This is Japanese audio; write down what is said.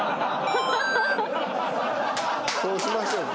そうしましょうか。